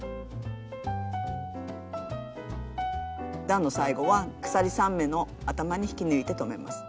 段の最後は鎖３目の頭に引き抜いて止めます。